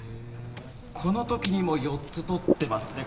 この時にも４つ取ってますね。